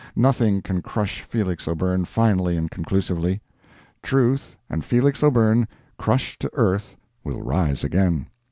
Nothing can crush Felix O'Byrne finally and conclusively. Truth and Felix O'Byrne crushed to earth will rise again.